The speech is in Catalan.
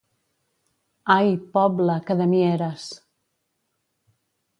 Ai, poble, que de mi eres!